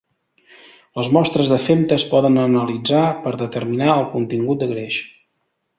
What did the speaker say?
Les mostres de femta es poden analitzar per determinar el contingut de greix.